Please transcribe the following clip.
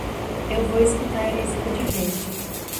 Eu vou escutar esse podcast.